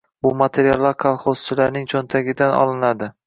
Bu materiallar kolxozchilarning cho‘ntagidan olinadi.